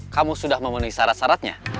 kamu sudah memenuhi syarat syaratnya